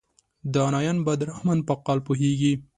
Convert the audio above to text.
دانایان به د رحمان په قال پوهیږي.